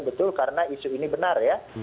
betul karena isu ini benar ya